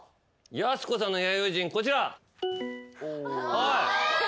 やす子さんの弥生人こちら。